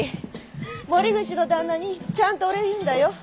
森口の旦那にちゃんとお礼言うんだよ。